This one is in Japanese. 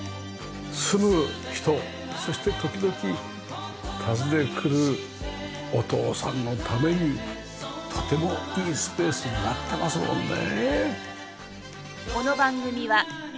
住む人そして時々訪ね来るお父さんのためにとてもいいスペースになってますもんね。